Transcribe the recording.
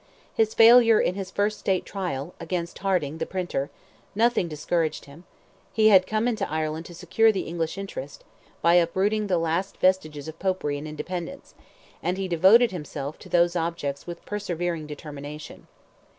His failure in his first state trial, against Harding the printer, nothing discouraged him; he had come into Ireland to secure the English interest, by uprooting the last vestiges of Popery and independence, and he devoted himself to those objects with persevering determination.